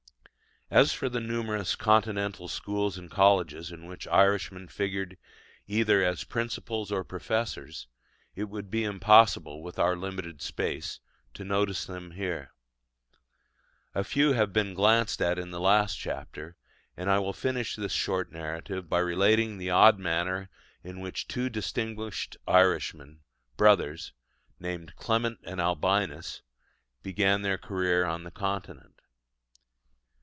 As for the numerous Continental schools and colleges in which Irishmen figured either as principals or professors, it would be impossible, with our limited space, to notice them here. A few have been glanced at in the last chapter; and I will finish this short narrative by relating the odd manner in which two distinguished Irishmen, brothers, named Clement and Albinus, began their career on the Continent.